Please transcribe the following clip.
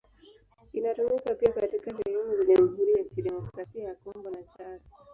Inatumika pia katika sehemu za Jamhuri ya Kidemokrasia ya Kongo na Chad.